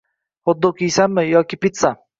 Xotdog yiysanmi yoki pitsa?